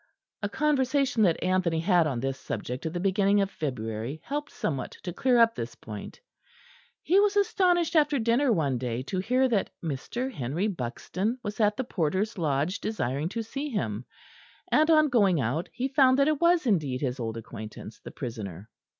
A conversation that Anthony had on this subject at the beginning of February helped somewhat to clear up this point. He was astonished after dinner one day to hear that Mr. Henry Buxton was at the porter's lodge desiring to see him, and on going out he found that it was indeed his old acquaintance, the prisoner.